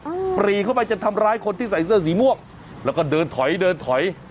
ปรีเข้าไปจะทำร้ายคนที่ใส่เสื้อสีม่วงแล้วก็เดินถอยเดินถอย